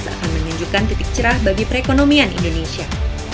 dua ribu lima belas akan menunjukkan titik cerah bagi perekonomian indonesia